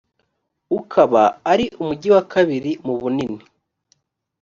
ukaba ari umugi wa kabiri mu bunini